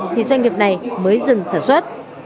thì doanh nghiệp này mới dừng sản xuất